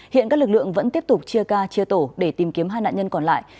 hiện các lực lượng vẫn tiếp tục chia ca chia tổ để tìm kiếm hai nạn nhân còn lại